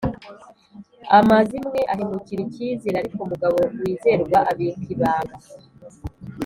amazimwe ahemukira ikizere, ariko umugabo wizerwa abika ibanga